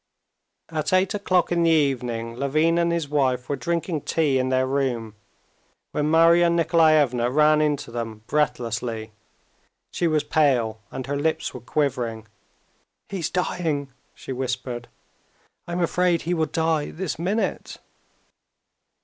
At eight o'clock in the evening Levin and his wife were drinking tea in their room when Marya Nikolaevna ran in to them breathlessly. She was pale, and her lips were quivering. "He is dying!" she whispered. "I'm afraid will die this minute."